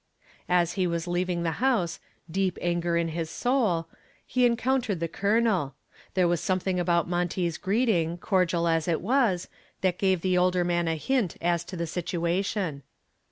As he was leaving the house, deep anger in his soul, he encountered the Colonel. There was something about Monty's greeting, cordial as it was, that gave the older man a hint as to the situation.